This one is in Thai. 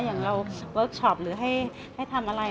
อย่างเราเวิร์คชอปหรือให้ทำอะไร